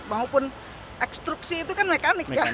maupun ekstruksi itu kan mekanik ya